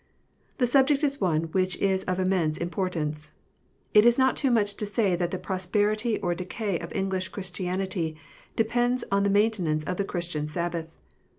The subject is one which is of immense importance. It is not too much to say that the prosperity or decay of English Christianity depends on the maintenance of the Christian Sabbath.